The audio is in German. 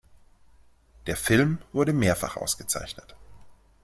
Der Film wurde mehrfach ausgezeichnet.